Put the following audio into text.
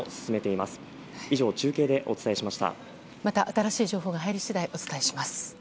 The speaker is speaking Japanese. また新しい情報が入り次第お伝えします。